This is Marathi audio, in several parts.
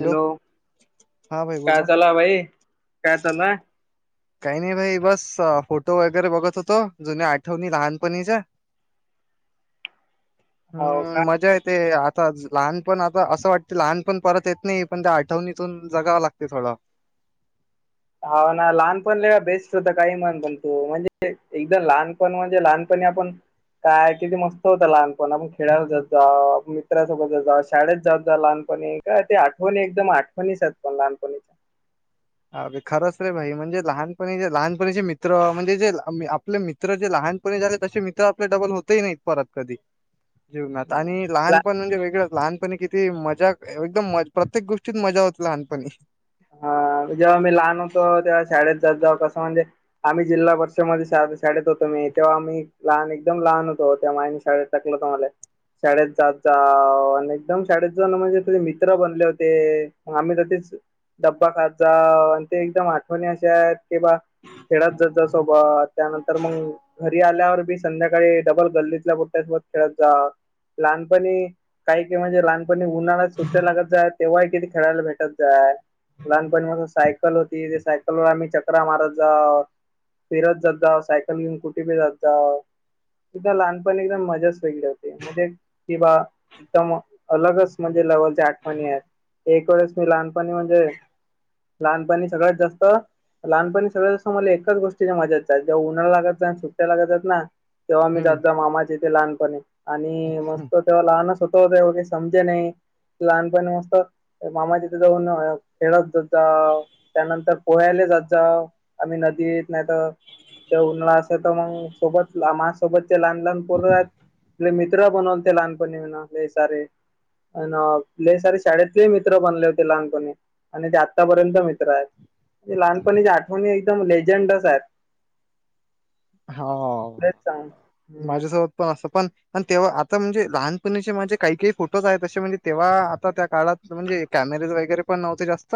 हॅलो हा भाई बोल काय ना चालू आहे भाई काय चालू आहे? काही नाही भाई बस फोटो वगैरे बघत होतो, जुन्या आठवणी लहानपणीच्या. [inaudible] हाव हम्म का मजा येत ते आता लहानपण आता असं वाटते लहान पण परत येत नाही, पण त्या आठवणीतून जगावं लागत थोडं. हा ना लहानपण लले बेस्ट होता काही म्हण पण तू, म्हणजे एकदम लहानपण म्हणजे लहानपणी आपण. काय किती मस्त होतं लहानपण आपण खेळाला जात जाऊ, आप मित्रासोबत जत जा शाळेत जात जाऊ लहानपणी एक. काय ते आठवणी एकदम, आठवणीचात लहानपणीच्या. अे खरंच रे भाई म्हणजे लहानपणी जे लहानपणीचे मित्र म्हणजे जे आपले मित मित्र जे लहानपणी झाले तसे मित्र आपले डबल होतही नाहीत परत कधी जीवनात हम्म. आणि लहान ला- पण म्हणजे वेगळंच लहानपणी किती मजा एकदम प्रत्येक गोष्टीत मजा होती लहानपणी. हा जेव्हा मी लहान होतो तेव्हा शाळेत जात जा कसं म्हणजे. आम्ही जिल्हा परिषदमध्ये शाळेत होतो मी तेव्हा आम्ही लहान लहान तेव्हाने शाळेत. टाकलं होतं मले. शाळेत जाात जा आणि एकदम शाळेत जाऊन म्हणजे कसे मित्र बनले होतेग आम्ही तर तेच. डब्बा खात जा आणि ते एकदम आठवणी अशे आहेत. ते बा, खेळायला जात जा सोबत त्यानंतर घरी आल्यावर बी. संध्याकाळी डबल गल्लीतल्या पोट्यासोबत खेळत जा लहानपणी काही म्हणजे लह पण उन्हाला सुट्ट्या लागत जाय तेव्हाही किती खेळायला भेटत जाय. लहानपणी माझ सायकल होती, त्या सायकल वर आम्ही चक्र मारत जाऊ. फिरत जात जाव, सायकल घेऊन पे जात जाव एकदा लहानपणी एकदम मजाच वेगळी होती, म्हणजे किं बा अलगच लेवलच्या आठवणी आहेत, एकवेळेस तर लहानपण म्हणजे लहानपणी सगळ्यात जास्त लहानपणी सगळंसं मला एकाच गोष्टी मजाेतचाल जेव उन्हां लागतात आणि सुट्ट्या लागतात ना. तेव्हा मी हम्म जात मामाच्या इथे लहानपणे आणि मस्त. तेव्हा लहानच होत वगैरे समजे नाही, लहानपणी मस्त मामा तिथे खेळत जात जाऊ त्यानंतर पोह्याले जात जाव आम्ही नदीत. नाही तर ते उन्हा असं तर मग सोबत माझसोबतचे लहान लहान पोरं आहेत. आपले मित्र बनवून ते लहानपणी आपले सारे. अले सारे शाळेतले मित्र बनले होते लहानपणी. आणि ते आत्तापर्यंत मित्र आहेत म्हणजे लहानपणीच्या आठवणी एकदम लेजंडच आहेत. हो खरंच सांग हम्म माझ्यासोबत पण असं पण. आणि तेव्हा आता म्हणजे लहानपणीचे माझे काही काही फोटोज आहेत. तसे म्हणजे तेव्हा आता त्या काळात. म्हणजे कॅमेरेज वगैरे पण नव्हते जास्त.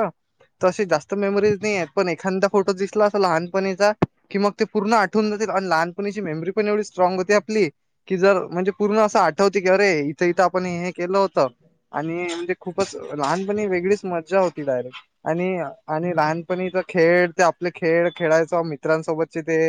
तशी जास्त मेमोरीज नाही येत. पण एखादा फोटो दिसला, असा लहानपणीचा की मग ते पूर्ण आठ तून जाते आणि लहानपणीची मेमरी पण एवढी स्ट्राग होती आपली. कि जर म्हणजे पूर्ण असं आठवते की, अरे इथं इथं आपण हे केलं होतं. आणि म्हणजे खूपच लहानपणी वेगळीच मजा होती डायरेक्ट. आणि आणि लहानपणीचा खेळ ते, आपले खेळ खेळायच मित्रांसोबतचे ते.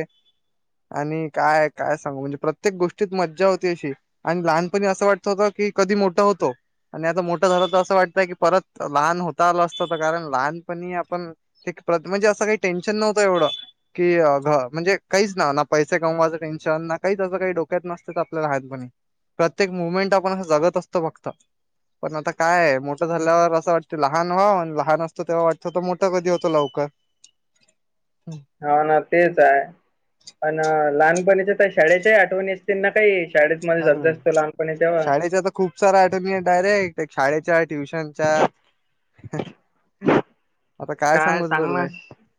आणि काय काय सांगू म्हणजे, प्रत्येक गोष्टीत मज्जा होती अशी. आणि लहानपणी असं वाटत होत, की कधी मोठा होतो. आणि आता मोठं झालं तर असं वाटतंय की, परत लहान होता आलं असत तर कारण लहानपणी आपण. ते म्हणजे असं काही टेन्शन नव्हतं, एवढं की घ म्हणजे. काहीच ना ना पैसे कमवायचं टेन्शन ना, काही त्याचं काही डोक्यात नसतेच आपल्याला लहानपणी. प्रत्येक मुमेंट आपण असं जगत असतो फक्त. पण आता काय मोठं झाल्यावर असं वाटत लहान व्हावं. लहान असतो तेव्हा वाटतं मोठा कधी होतो लवकर. हा ना तेच आहे. पण लहानपणीच्या तर शाळेच्या आठवणी असतील ना काही. शाळेत [unintelligible] अरे असतं लहानपणी तेव्हा. शाळेच्या तर खूप सारा आठवणी डायरेक्ट शाळेच्या ट्युशनच्या. [inaudible] आता काय सांगू सांग ना तुले शेअर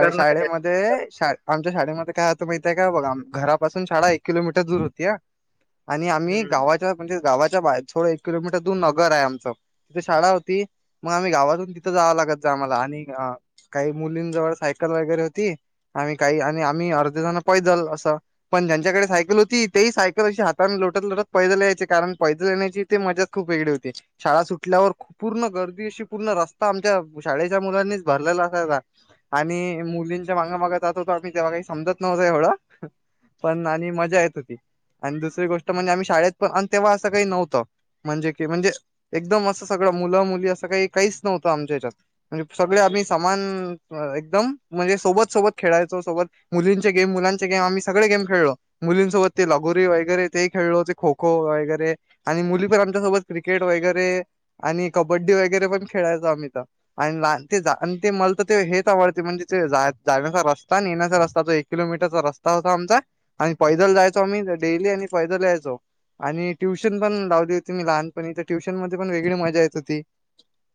कर ना काय शाळेम ते आमच्या शाळेमध्ये काय होतं माहितेय का बघा. घरापासून शाळा एक किलोमी दूर होत्या. आणि आम्ही हम्म गावा म्हणजे गावाच्या बाहेर थोडं, एक किलोमीटर दूर नगर आहे आमचं तिथे शाळा होती. मग आम्ही गावातून तिथं जावं लागतं च आम्हाला आणि काही मुलींनजवळ सायकल वगैरे होती. आम्ही काही आणि आम्ही अर्ध जणे पैदल असं, पण ज्यांच्याकडे सायकल होत ती तेही सायकल अशी हाताने लोटत लोटत पैदल यायचे. कारण पैदल येण्याची ती मजाच खूप वेगळी होती. शाळा सुटल्यावर पूर्ण गर्दी अशी, पूर्ण रस्ता आमच्या शाळेच्या मुलांनीच भरलेला असायचा. आणि मुलींच्या माग माग जात होतो. आम्ही तेव्हा काही समजत नव्हतं एवढं. पण आणि मजा येत होती. आणि दुसरी गोष्ट म्हणजे आम्ही शाळेत पण आणि तेव्हा असं काही नव्हतं. म्हणजे की म्हणजे एकदम असं सगळं मुलं मुली असं काही काहीच नव्हतं आमच्या हेच्यात. म्हणजे सगळे आम्ही समान, एकदम म्हणजे सोबत सोबत खेळायचो सोबत. मुलींचे गेम मुलांचे गेम आम्ही सगळे गेम खेळलो मुलींसोबत. ते लगोरी वगैरे तेही खेळो ते खो खो वगैरे. आणि मुली पण आमच्यासोबत, क्रिकेट वगैरे आणि कबड्डी वगैरे पण खेळायचो आम्ही तर. आणि ला ते आणि ते मला तर ते हेच आवडते. म्हणजे ते जाण्याचा रस्ता येण्याचा रस्ता तो एक. एक किलोमीटर रस्ता होता आमचा. आणि आम्ही डेली आणि पैदल यायचो. आणि ट्युशन पण लावली होती. मी लहानपणी तर, ट्युशन मध्ये पण वेगळी मजा येत होती.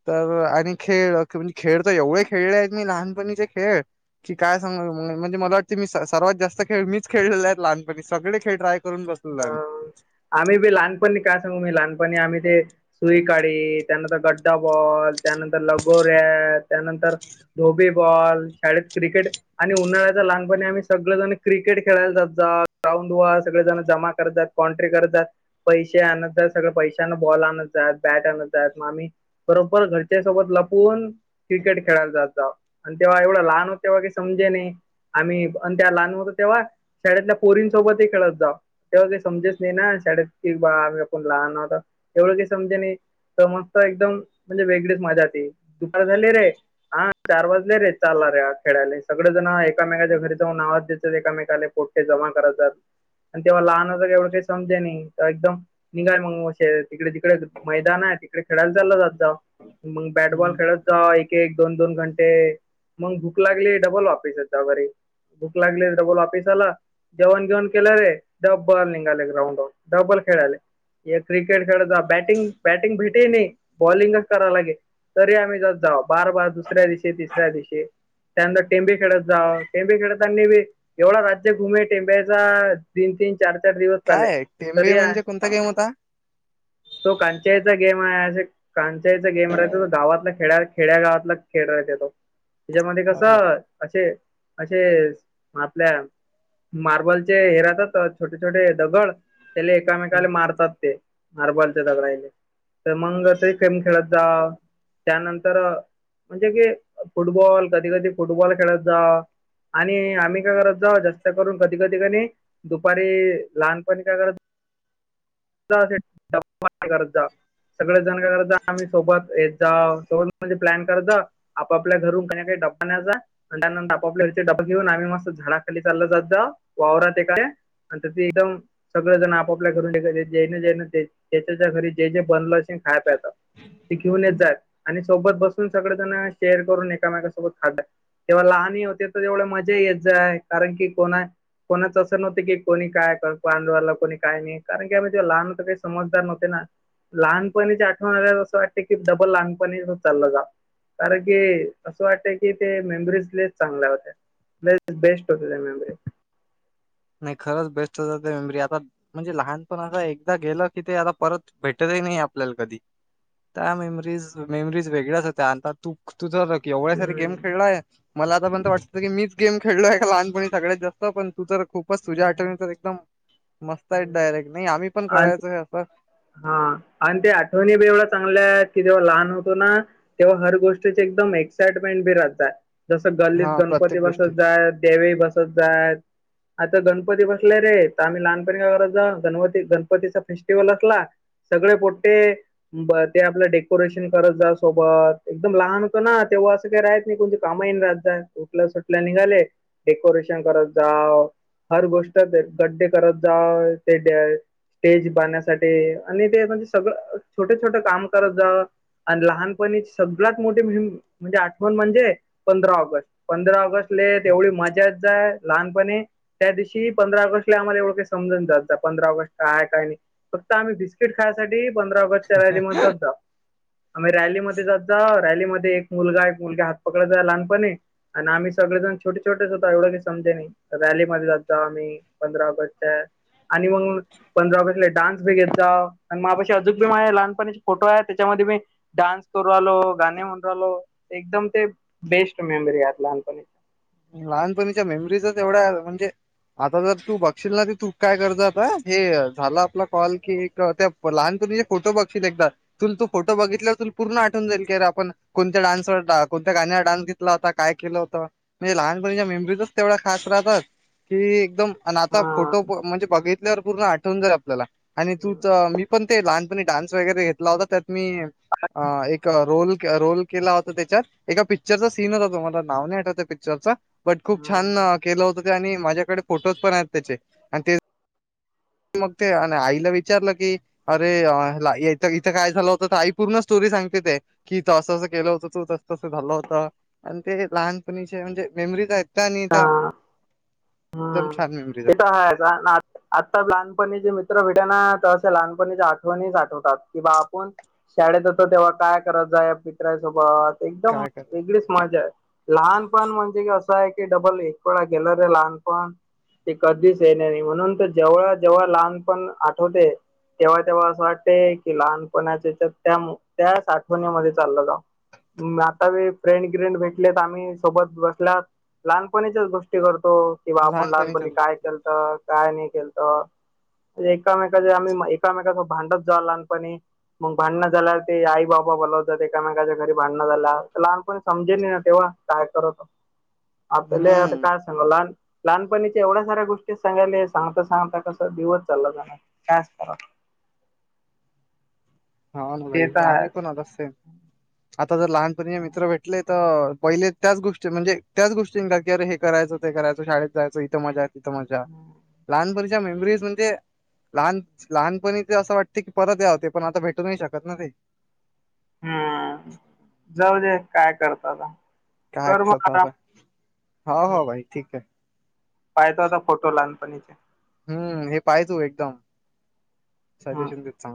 तर आणि खेळ म्हणजे, खेळ तर खेळले आहेत मी लहानपणीचे खेळ. की काय सांग म्हणजे मला वाटतें. मी सर्वात जास्त खेळ मीच खेळले आहेत, लहानपणी सगळे खेळ ट्राय. करून बसलेलो आम्ही. ह आम्ही बी लहानपणी काय सांगू मी लहानपणी आम्ही ते. सुई काढी त्यानंतर गड्डा बॉल. त्यानंतर लगोऱ्या त्यानंत, र धोबी बॉल शाळेत क्रिकेट. आणि उन्हाळ्याच लहानपणी आम्ही सगळं जण, क्रिकेट खेळायला जात जा ग्राउंड वा सगळे. जमा करतात, कॉन्ट्री करतात. पैसे आण जात सगळं पैशान बॉल आण‌त जात बॅट आणत जात मग आम्ही. बरोबर घरच्या सोबत लपून क्रिकेट खेळायला जात जावं. आणि तेव्हा एवढं लहान [unintelligible] समजे नाही. आम्ही आणि त्या लहान होतो तेव्हा शाळेतल्या पोरींसोबतही खेळत होताव. तेव्हा काही समजेच नाही ना शाळेत [unintelligible] आम्ही पण लहान होता त्यावेळी काही समजे नाही. तेव्हा मस्त एकदम म्हणजे वेगळीच मजा [unintelligible] दुपार झाली रे. हां चार वाजले रे, चाला रे हा खेळायले सगळेजण एकामेकाच्या घरी जाऊन आवाज देत एकामेकाला पोट पोट्टे जमा करत जात. आणि तेव्हा लहान असं एवढं काही समजे नाही तर एकदम निघाय मग असे तिकडे तिकडे मैदान आहे तिकडे खेळायला चाललं जात जावो. मग बॅटबॉल हं. खेळत जा एकेक दोन दोन घंटे. मग भूक लागली डबल वापिस येत जाव घरी. भूक लागली डबल वापीस आलं, जेवण घेऊण केलं रे [unintelligible] निघाले ग्राउंडवर डब्बल खेळाले ये क्रिकेट खेळाचा बॅटिंग बॅटिंग भेट ते नाही बॉलिंगच करावं लागे, तरी आम्ही जात जाव बार बार दुसऱ्या दिवशी तिसऱ्या दिवशी त्यानंतर टेंबे खेळत जावं टेंबे खेळतानी एवढं राज्य घुमे टेंब्याचा तीन तीन चार चार दिवस चाले काय टेंबे तरी म्हणजे कोणता गेम होता? तो कांचाईचा गेम आहे असं कांचाईचा गेम राहतो तो गावातला खेड्या खेड्या गावातला खेळ राहते तो त्याच्यामध्ये अरे वा! कसं असे असे आपल्या मार्बलचे हे राहतात. च छोटे छोटे दगड त्याले हं. एकामेकाला मारतात ते मार्बलच्या दगडायले. तर मंग रात्री तेम खेळत जा त्यानंतर म्हणजे की फुटबॉल, कधी कधी फुटबॉल खेळत जा. आणि आम्ही काय करत जाऊ जास्त करून कधी कधी कणी दुपारी लहानपणी काय करत [inaudible] सगळेजण काय करत आम्ही सोबत येत जाव सोबत म्हणजे प्लॅन करत जाव आपापल्या घरून काही काही डब्बा आणायचा आणि त्यानंतर [unintelligible] डब्बा घेऊन आम्ही मस्त झाडाखाली चाललं जात जाव वावरात [unintelligible] सगळेजण आपापल्या घरून [unintelligible] जे जे बनलं असेन खाय प्यायचं. ते घेऊन येत जात आणि सोबत बसून सगळेजण शेअर करून एकामेकासोबत [unintelligible] तेव्हा लहानही होते तर एवढं मजा येत जाय कारण की कोणा कोणाचच नव्हते की कोणी काय पांडवला कोणी काय नाही, कारण की आम्ही तेव्हा लहान होतो काही समजदार नव्हते ना. लहानपणीची आठवण आल्यावर असं वाटतं की डबल लहानपणीच चाललं जाव. कारण की असं वाटतंय की ते मेमरीज लयच चांगल्या होत्या. लय बेस्ट होत्या त्या मेमरीज. नाही खरंच बेस्टच होत्या मेमरी आता म्हणजे लहानपण असं एकदा गेलं की ते आता परत भेटतही नाही आपल्याला कधी. त्या मेमरीज मेमरीज वेगळ्याच होत्या आता तू तुझं बघ की एवढ्या सारं गेम हम्म खेळलाय मला आतापर्यंत वाटतं की मीच गेम खेळलो आहे का लहानपणी सगळ्यात जास्त? पण तू तर खूप बस तुझ्या हम्म. आठवणी तर एकदम मस्त आहेत डायरेक्ट नाही आम्ही पण करायचो हे असं हां आणि त्या आठवणी बी एवढ्या चांगल्या आहेत की जेव्हा लहान होतो ना तेव्हा हर गोष्टीचे एकदम एक्साइटमेंट बी राहतं. जसं हा गल्लीत प्रत्येक गणपती गोष्टी बसत जाय, देवी बसत जाय. आता गणपती बसलाय रे तर आम्ही लहानपणी काय करत जाव गणवती गणपतीचं फेस्टिवल अस ला सगळे पोट्टे ब ते आपलं डेकोरेशन करत जा सोबत एकदम लहान होत ना तेव्हा असं काही राहत नाही कोणते कामही नाही राहत काय उठल्या सुटले निघाले डेकोरेशन करत जाव हर गोष्ट गड्डे करत जा [unintelligible] ते स्टेज बण्यास साठी आणि ते म्हणजे सगळं छोटे छोटे काम करत जाव आणि लहानपणीची सगळ्यात मोठी आठवण म्हणजे पंधरा ऑगस्ट पंधरा ऑगस्ट ले तेवढी मजाच जाय लहानपणी त्या दिवशी पंधरा आँगस्टले आमला [unintelligible] फक्त आम्ही बिस्किट खायसाठी पंधरा ऑगस्टच्या रजी म्हणत होद्ध [unintelligible] आम्ही रॅलीमध्ये जात जा रॅलीमध्ये एक मुलगा एक मुलगा हात पकडयतचा लहानपणी. आणि आम्ही सगळेजण छोटे छोटेच होतात एवढं काही समजे नाही रॅलीमध्ये जात जा आम्ही पंधरा ऑगस्ट च्या आणि मग पंधरा ऑगस्ट डान्स बी घेत जा आणि माझपाशी अजूक बी माझे लहानपणा फोटो आहे त्याच्यामध्ये मी डान्स करू राहिलो गाणे म्हन राहिलो एकदम ते बेस्ट मेमरी आहेत लहानपणी. लहानपणीच्या मेमरीजच एवढ्या म्हणजे आता जर तू बघशील ना तर तू काय करज आता हे झालं आपला कॉल कि एक त्या तू जर लहानपणीचे फोटो बघितलेस का तर तुला पुर् आठवेल की अरे आपण [unintelligible] कोणत्या गाण्यावर डान्स घेतला होता काय केलं होतं म्हणजे लहानपणीच्या मेमरीजच तेवढा खास राहतात की एकदम आणि आता हा फोटो म्हणजे बघितल्यावर पूर्ण आठवून जाई आपल्याला आणि तूच मी पण ते लहानपणी डान्स वगैरे घेतला होता त्यात मी अ एक रोल रोल केला होता त्याच्यात एका पिक्चरचा सीन होता तुम्हाला नाव नाही आठवत पिक् चरचा बट खूप छान हा केलं होत ते आणि माझ्याकडे फोटोज पण आहेत त्याचे आणि ते मग ते आणि आईला विचारलं की अरे इथं काय झालं होतं तर आई पूर्ण स्टोरी सांगते की तू असं अस केलं होत तू तस तसं झालं होतं आणि ते लहानपणी चे म्हजे मेमरीज आहेत. त्या आणि हा त्या एकदम छान मेमरीज ते तर आहेत ना [unintelligible] आता लहानपणीचा मित्र भेटले ना की लहानपणीच्या आठवणीच्या आठवत राहतात की बा आपण शाळेत होतो तेव्हा काय करायचं त्या मित्रासोबत एकदम काय करायचं वेगळीच मजा आहे लहानपण म्हणजे की असं आहे कि डबल एक वेळा गेल रे लहानपण ते कधीच येणे नाही म्हणून तर जेव्हा जेव्हा लहान पण आठवते तेव्हा तेव्हा असं वाटते की लहानपणाच्या त्या त्याच आठवणीमध्ये चाललं जाव. मग आता व फ्रेंड ग्रेंड भेटलेत आम्ही सोबत बसलात लहानपणीच्याच गोष्टी करतो कि बा आपण लहानपणीच्या लहानपणी काय केलत काय नाही केलत. एकामेका च्या आम्ही एकमेकांसोबत भांडायचं जा लहानपणी. मग भांडणं झाल्या ते आई बाबा बोलावतात एकामेकाच्या घरी भांडणं झालं लहानपण समजेल ना तेव्हा काय करतता आता [unintelligible] हम्म काय सांग लहान लहानपणीच्या एवढ्या साऱ्या गोष्टी सांगायल्या सांगता सांगता कसं दिवस चालला जाणार. त्यात [unintelligible] हा ना ते भाई तर आमचं आहेच पण सेम आहे आता जर लहानपणाचे मित्र भेटले ले तर पहिले त्याच गोष्टी म्हणजे त्याच गोष्टी हे करायचो ते करायचो ईथ मजा तित मजा. लहानपणीच्या मेमरीज म्हणजे लहान [unintelligible] लहानपणी ते असं वाटते की परत या होते पण आता भेट शकत ना ते. हम्म जाऊन या काय करता आता? काय कर मग करतो आता, आराम हो ना भाई ठीक आहे. पाहत होता फोटो लहानपणीचे. हम्म हे पाह तू एकदम, हं. सजेशन देत. चांग